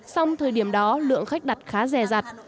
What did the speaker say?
xong thời điểm đó lượng khách đặt khá rẻ rặt